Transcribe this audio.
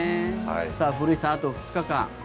古市さん、あと２日間。